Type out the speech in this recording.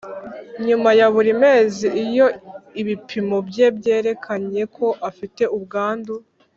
nyuma ya buri mezi Iyo ibipimo bye byerekanye ko afite ubwandu